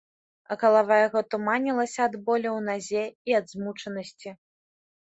Галава яго туманілася ад болю ў назе і ад змучанасці.